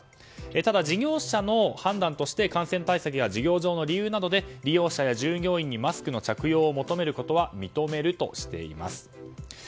ただ事業者の判断として感染対策や事業上の理由などで利用者や従業員にマスクの着用を求めることは認めるとしています。